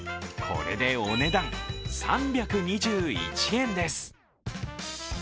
これでお値段３２１円です。